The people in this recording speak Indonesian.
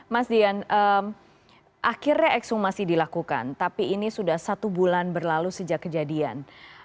mas dian akhirnya ekshumasi dilakukan tapi ini sudah satu bulan berlalu sejak kejadian